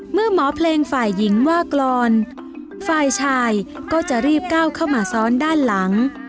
เมื่อหมอเพลงฝ่ายหญิงว่ากรอนฝ่ายชายก็จะรีบก้าวเข้ามาซ้อนด้านหลัง